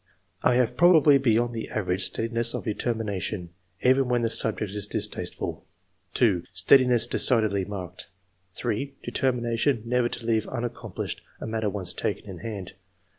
"I have probably beyond the average, steadiness of determination, even when the sub ject is distasteful." 2. " Steadiness decidedly marked." 3. '* Determination never to leave unaccomplished a matter once taken in hand.''